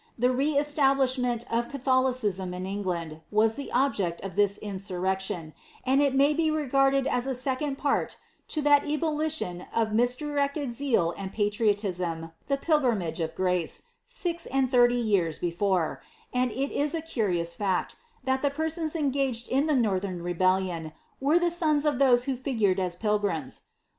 The re^establiflhiiient of Catholicism in England, was the object of this in surrection ; and it may be regarded as a second part to that ebullition of misdirected seal and patriotism, the pilgrimage of grace, six and thirQr fears before ; and it is a curious fact, that the persons engaged in the Northern Rebellion, were the sons of those who figured as pilgrims.